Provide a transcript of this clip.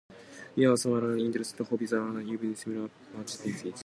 We have similar interests, hobbies, and even similar personalities.